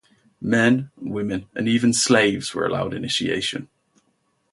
Men, women and even slaves were allowed initiation.